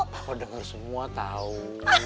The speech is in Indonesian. papa denger semua tau